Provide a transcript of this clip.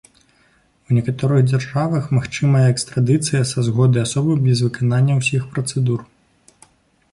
У некаторых дзяржавах магчымая экстрадыцыя са згоды асобы без выканання ўсіх працэдур.